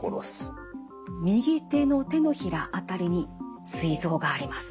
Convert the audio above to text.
右手の手のひら辺りにすい臓があります。